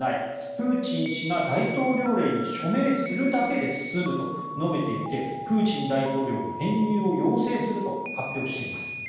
プーチン氏が大統領令に署名するだけで済むと述べていてプーチン大統領に編入を要請すると発表しています。